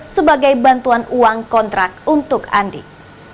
sebagai bantuan uang kontrak untuk andik